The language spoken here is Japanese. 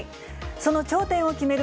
その頂点を決める